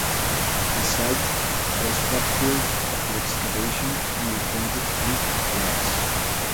The site was backfilled after excavation and replanted with rice.